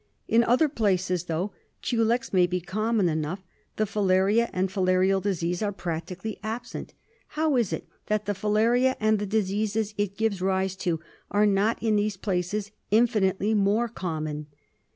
In other places, though culex may be common enough, the filaria and filarial disease are practically absent. How is it that the filaria, and the diseases it gives rise to, are not in these places infinitely more common